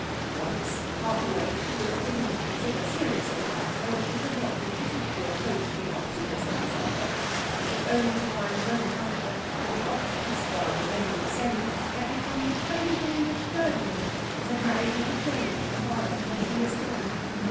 Once, half awake, she was beginning to consider, seriously, whether she could not legitimately approach the Octopus on the subject, but only to find, the moment after, that the Octopus (while remaining the same) had become the chubby little English clergyman that had married her to Gerry at Umballa, twenty years ago.